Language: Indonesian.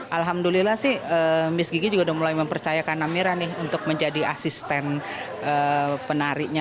alhamdulillah sih miss gigi juga udah mulai mempercayakan namira nih untuk menjadi asisten penarinya